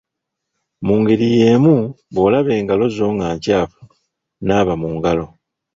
Mu ngeri y’emu bw’olaba engalo zo nga nkyafu, naaba mu ngalo.